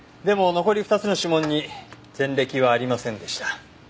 でも残り２つの指紋に前歴はありませんでした。